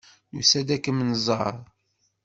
Nusa-d ad kem-nẓer.